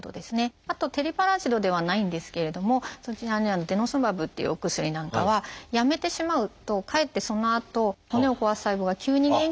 あとテリパラチドではないんですけれどもそちらにある「デノスマブ」っていうお薬なんかはやめてしまうとかえってそのあと骨を壊す細胞が急に元気になって。